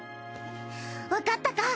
わかったか！？